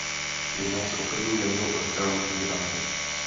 Jedná se o první jadernou elektrárnu v Íránu.